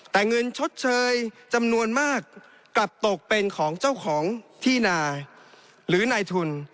แต่เงินชดเชยจำนวนมากกลับตกเป็นของเจ้าของที่นาหรือนายทุน